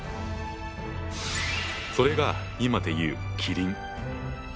それが今で言うキリン。